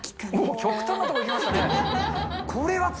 極端なとこいきましたね。